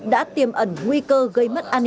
đã tiêm ẩn nguy cơ gây mất an ninh